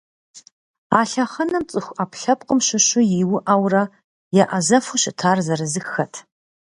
А лъэхъэнэм цӏыху ӏэпкълъэпкъым щыщ иуӏэурэ еӏэзэфу щытар зырызыххэт.